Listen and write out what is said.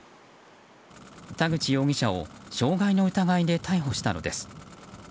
田口容疑者を傷害の疑いで逮捕したのです。